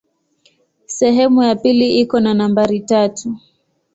Sehemu ya pili iko na nambari tatu.